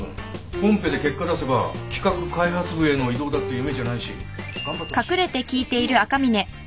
コンペで結果出せば企画開発部への異動だって夢じゃないし頑張ってほしいよね。ですね。